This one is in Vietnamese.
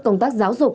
công tác giáo dục